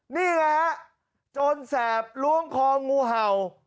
นี่ไงฮะโจรแสบล้วงคองูเห่า